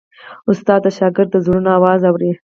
استاد د شاګرد د زړونو آواز اوري.